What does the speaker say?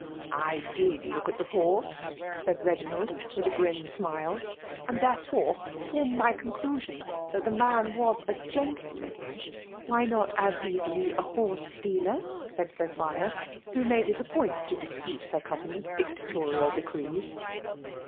'' I did look at the horse/* said Beginald, with a grim smile. « and. therefore, form my conclusion that the man was a gentleman^ " Why not as easily a horse dealer ?^* said Sophia, who made it a point to dispute her cousin's dictatorial decrees.